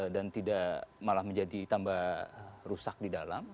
dan tidak malah menjadi tambah rusak di dalam